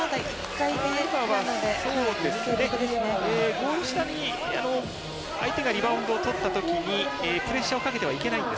ゴール下に相手がリバウンドを取ったときにプレッシャーをかけてはいけないんで。